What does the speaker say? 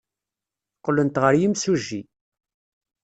Qqlent ɣer yimsujji.